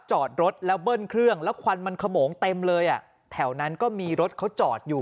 จอดรถแล้วเบิ้ลเครื่องแล้วควันมันขโมงเต็มเลยอ่ะแถวนั้นก็มีรถเขาจอดอยู่